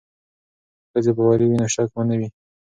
که ښځې باوري وي نو شک به نه وي.